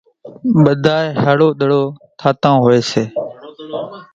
ٻڌانئين هڙو ۮڙو ٿاتان هوئيَ سي۔